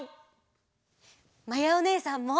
まやおねえさんも！